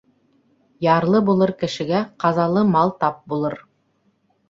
Ярлы булыр кешегә ҡазалы мал тап булыр.